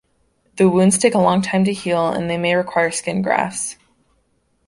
The wounds take a long time to heal and they may require skin grafts.